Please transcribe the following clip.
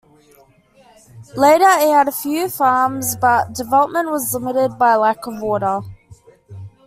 Later it had a few farms, but development was limited by lack of water.